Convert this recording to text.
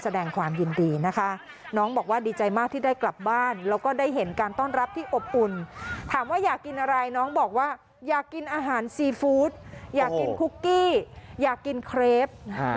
ถามว่าอยากกินอะไรน้องบอกว่าอยากกินอาหารซีฟู้ดอยากกินคุกกี้อยากกินเคร็บ